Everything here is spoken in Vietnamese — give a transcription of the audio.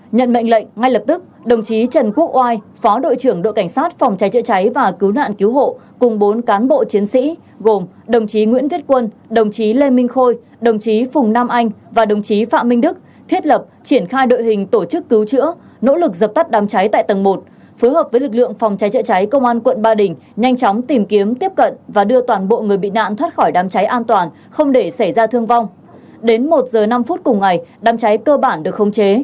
nhận mệnh lệnh ngay lập tức đồng chí trần quốc oai phó đội trưởng đội cảnh sát phòng cháy chữa cháy và cứu nạn cứu hộ cùng bốn cán bộ chiến sĩ gồm đồng chí nguyễn viết quân đồng chí lê minh khôi đồng chí phùng nam anh và đồng chí phạm minh đức thiết lập triển khai đội hình tổ chức cứu chữa nỗ lực dập tắt đám cháy tại tầng một phối hợp với lực lượng phòng cháy chữa cháy công an quận ba đình nhanh chóng tìm kiếm tiếp cận và đưa toàn bộ người bị nạn thoát khỏi đám cháy an toàn